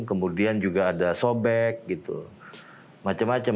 kemudian juga ada sobek gitu macem macem